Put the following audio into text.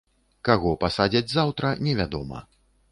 Каго пасадзяць заўтра, невядома.